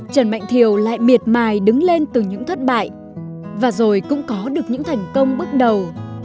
trần mạnh thiều lại miệt mài đứng lên từ những thất bại và rồi cũng có được những thành công bước đầu